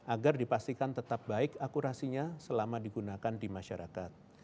agar dipastikan tetap baik akurasinya selama digunakan di masyarakat